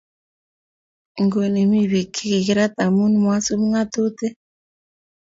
nguni mii biik che kikirat amu marub ng'atutik